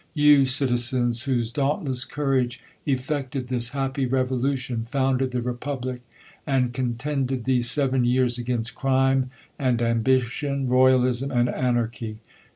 You, citizens, whose dauntless courage effected this happy revolution; founded the republic, and contend ed these seven years against crime and ambition, royal ism and anarchy.